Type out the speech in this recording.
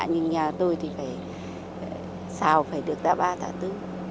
nhưng nhà tôi thì xào phải được ra ba tạ tư